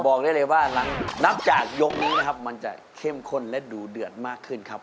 บอกได้เลยว่านับจากยกนี้นะครับมันจะเข้มข้นและดูเดือดมากขึ้นครับ